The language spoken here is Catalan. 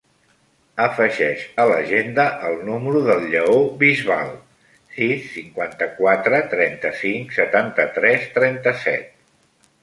Afegeix a l'agenda el número del Lleó Bisbal: sis, cinquanta-quatre, trenta-cinc, setanta-tres, trenta-set.